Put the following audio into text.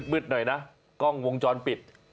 มืดหน่อยนะกล้องวงจรปิด